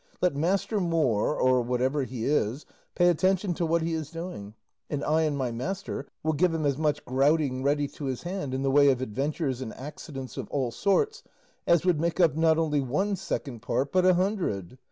Let master Moor, or whatever he is, pay attention to what he is doing, and I and my master will give him as much grouting ready to his hand, in the way of adventures and accidents of all sorts, as would make up not only one second part, but a hundred.